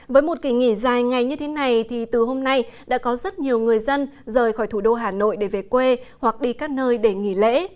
với một kỳ nghỉ dài ngày như thế này thì từ hôm nay đã có rất nhiều người dân rời khỏi thủ đô hà nội để về quê hoặc đi các nơi để nghỉ lễ